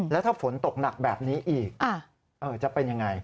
แล้วถ้าฝนตกหนักแบบนี้อีกจะเป็นยังไง